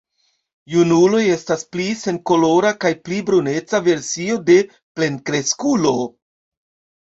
Junuloj estas pli senkolora kaj pli bruneca versio de plenkreskulo.